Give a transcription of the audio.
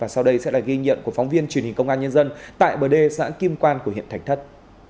sau đây sẽ là ghi nhận của phóng viên truyền hình công an nhân dân tại bờ đê xã kim quan của huyện thành thất